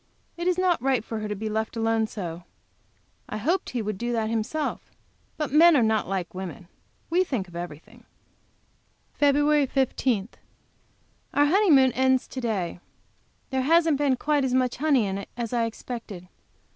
It is not right for her to be left all alone so I hoped he would do that himself. But men are not like women. We think of everything. FEB. 15. Our honeymoon ends to day. There hasn't been quite as much honey in it as I expected.